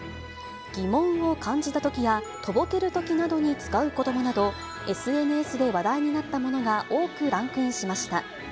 疑問を感じたときや、とぼけるときなどに使うことばなど、ＳＮＳで話題になったものが多くランクインしました。